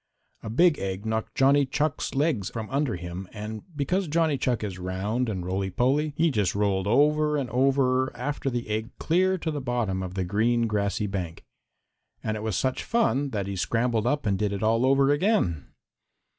A big egg knocked Johnny Chuck's legs from under him and, because Johnny Chuck is round and roly poly, he just rolled over and over after the egg clear to the bottom of the green grassy bank. And it was such fun that he scrambled up and did it all over again.